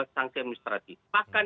sanksi administratif bahkan